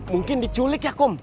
mungkin diculik ya kom